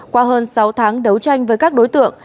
qua hơn sáu tháng đấu tranh với các đối tượng